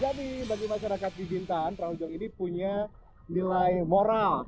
jadi bagi masyarakat di bintan perahu jong ini punya nilai moral